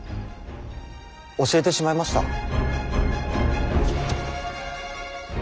教えてしまいました。